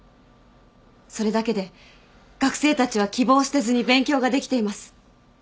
それだけで学生たちは希望を捨てずに勉強ができています。